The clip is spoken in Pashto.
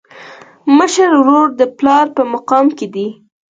مشر ورور د پلار په مقام کي دی.